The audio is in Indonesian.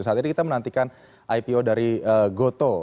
saat ini kita menantikan ipo dari goto